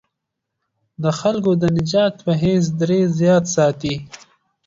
د خلکو د نجات په حیث دریځ یاد ساتي.